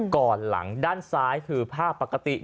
ก่อนหลังด้านซ้ายคือภาพปกติ